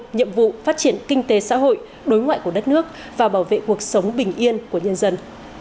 nhiệm vụ phát triển kinh tế xã hội đối ngoại của đất nước và bảo vệ cuộc sống bình yên của nhân dân